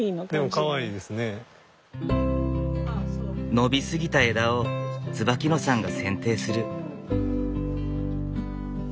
伸び過ぎた枝を椿野さんが剪定する。